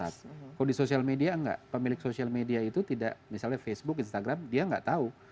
kalau di sosial media enggak pemilik sosial media itu tidak misalnya facebook instagram dia nggak tahu